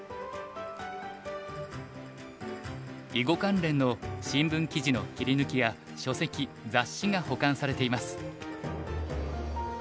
囲碁関連の新聞記事の切り抜きや書籍雑誌が保管されています。